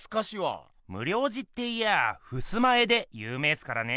無量寺っていやあふすま絵でゆう名すからね。